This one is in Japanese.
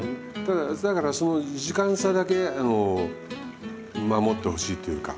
だからその時間差だけ守ってほしいというか。